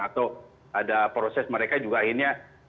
atau ada proses mereka juga akhirnya